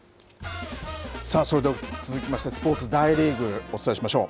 それでは続きまして、スポーツ、大リーグ、お伝えしましょう。